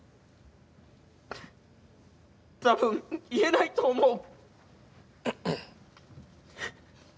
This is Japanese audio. たぶん言えないと思う！